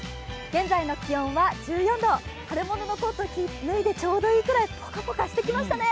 現在の気温は１４度、春物のコートを脱いでもちょうどいいくらい、ぽかぽかしてきましたね。